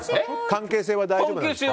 関係性は大丈夫。